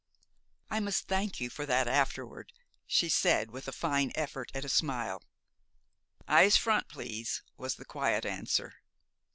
"I must thank you for that afterward," she said, with a fine effort at a smile. "Eyes front, please," was the quiet answer.